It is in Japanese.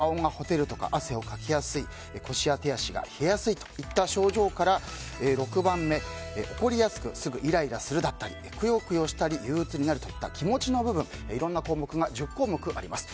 全部で１０項目あるんですが顔がほてるとか汗をかきやすい腰や手足が冷えやすいといった症状から６番目、怒りやすくすぐイライラするだったりくよくよしたり憂鬱になるといった気持ちの部分、いろいろな項目が１０項目あります。